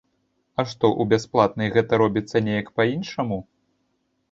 А што, у бясплатнай гэта робіцца неяк па-іншаму?